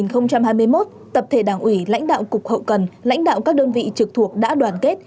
năm hai nghìn hai mươi một tập thể đảng ủy lãnh đạo cục hậu cần lãnh đạo các đơn vị trực thuộc đã đoàn kết